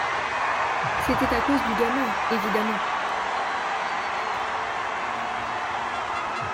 C’était à cause du gamin, évidemment.